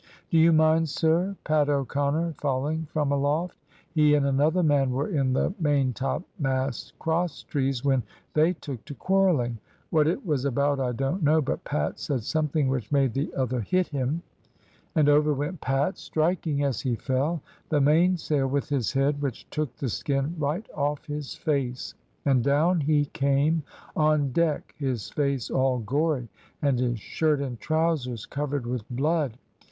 "Do you mind, sir, Pat O'connor falling from aloft? He and another man were in the main topmast crosstrees when they took to quarrelling. What it was about I don't know; but Pat said something which made the other hit him, and over went Pat, striking, as he fell, the mainsail with his head, which took the skin right off his face, and down he came on deck, his face all gory, and his shirt and trousers covered with blood.